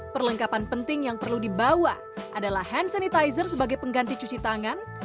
perlengkapan penting yang perlu dibawa adalah hand sanitizer sebagai pengganti cuci tangan